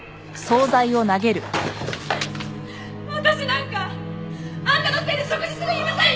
私なんかあんたのせいで食事する暇さえ！